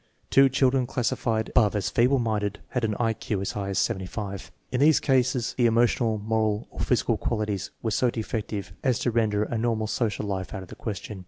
Two children classi fied above as feeble minded had an I Q as high as 75. In these cases the emotional, moral, or physical qualities were so defective as to render a normal social life out of the ques tion.